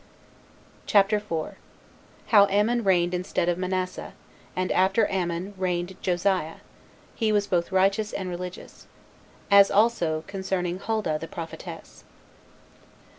CHAPTER 4. How Amon Reigned Instead Of Manasseh; And After Amon Reigned Josiah; He Was Both Righteous And Religious. As Also Concerning Huldah The Prophetess.